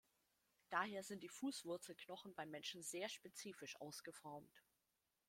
Daher sind die Fußwurzelknochen beim Menschen sehr spezifisch ausgeformt.